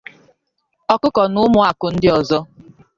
ọkụkọ na ụmụ akụ ndị ọzọ